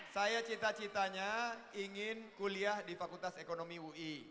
saya cita citanya ingin kuliah di fakultas ekonomi ui